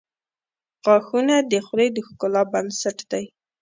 • غاښونه د خولې د ښکلا بنسټ دي.